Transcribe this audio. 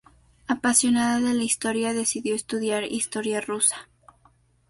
Apasionada de la historia decidió estudiar Historia Rusa.